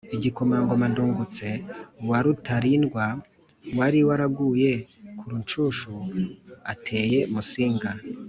igikomangoma ndungutse wa rutalindwa (wari waraguye ku rucunshu) ateye musinga